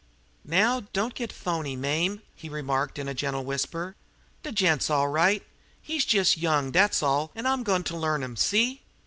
"Now, don't git phony, Mame!" he remarked in a gentle whisper. "De gent's all right, but he's young, dat's all, an' I'm goin' to learn him see?